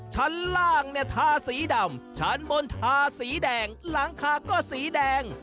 ชั้นล่างเนี่ยทาสีดำชั้นบนทาสีแดงหลังคาก็สีแดง